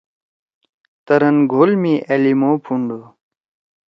تَرن گُھول می ألیمو پُھنڈو؟